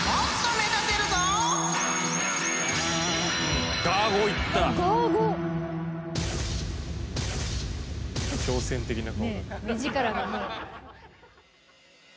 目力がもう。